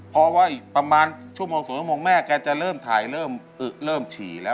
เพราะว่าอีกประมาณชั่วโมง๒ชั่วโมงแม่แกจะเริ่มถ่ายเริ่มอึเริ่มฉี่แล้ว